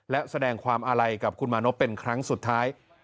และแสดงความอาลัยกับคุณมานพเป็นครั้งสุดท้าย